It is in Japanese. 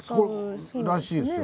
そうらしいですよ。